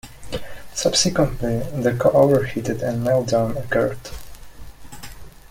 Subsequently, the core overheated and meltdown occurred.